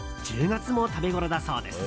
１０月も食べごろだそうです。